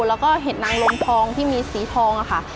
แล้วก็เห็ดนางลมทองที่มีสีทองค่ะ